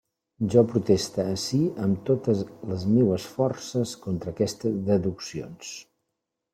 Jo proteste ací amb totes les meues forces contra aquestes deduccions.